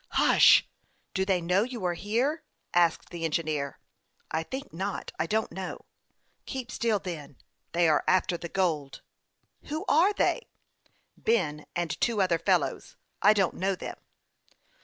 " Hush ! Do they know you are here ?" asked the engineer. " I think not ; I don't know." " Keep still, then. They are after the gold." " Who are they ?"" Ben and two other fellows. I don't know them."